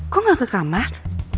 kok gak ke kamar